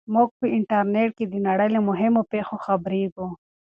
موږ په انټرنیټ کې د نړۍ له مهمو پېښو خبریږو.